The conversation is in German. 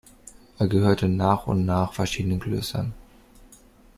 Er gehörte nach und nach verschiedenen Klöstern.